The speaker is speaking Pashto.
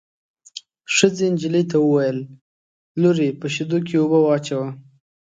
ښځې نجلۍ ته وویل: لورې په شېدو کې اوبه واچوه.